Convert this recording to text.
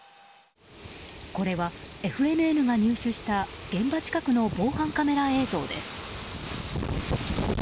これはＦＮＮが入手した現場近くの防犯カメラ映像です。